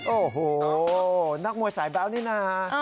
โอ้โหนักมวยสายแบ๊วนี่นะ